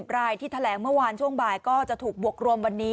รายที่แถลงเมื่อวานช่วงบ่ายก็จะถูกบวกรวมวันนี้